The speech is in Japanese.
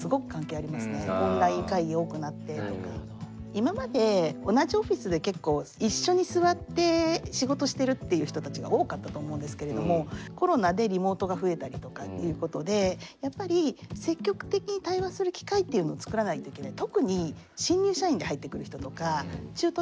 今まで同じオフィスで結構一緒に座って仕事してるっていう人たちが多かったと思うんですけれどもコロナでリモートが増えたりとかっていうことでやっぱり特にオンライン会議だけ週に一回ありますとかっていうと「どう動いたらいいの？」みたいな。